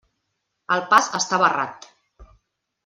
El pas està barrat.